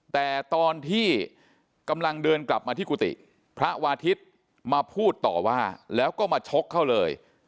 แต่ตอนที่กำลังเดินกลับมาที่กุฏิพระวาทิศมาพูดต่อว่าแล้วก็มาชกเขาเลย